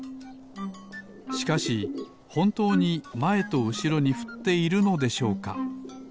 しかしほんとうにまえとうしろにふっているのでしょうか？